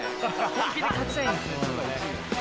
本気で勝ちたいんすかね。